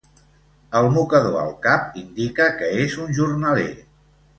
El mocador al cap indica que és un jornaler.